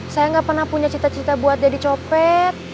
saya gak pernah punya cita cita buat jadi copet